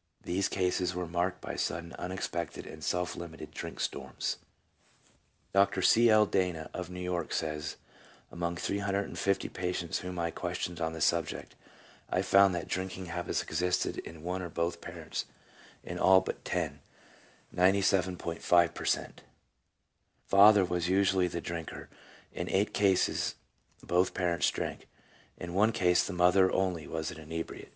" These cases were marked by sudden, unexpected, and self limited drink storms." Dr. C. L. Dana, of New York, says, "Among 350 patients whom I questioned on the subject, I found that drinking habits existed in one or both parents in all but ten (97.5 per cent). The father was usually the drinker, in eight cases both parents drank ; in one case the mother only was an inebriate.